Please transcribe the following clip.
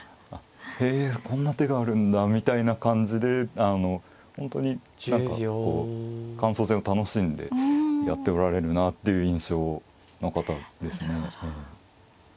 「へえこんな手があるんだ」みたいな感じで本当に何かこう感想戦を楽しんでやっておられるなっていう印象の方ですね。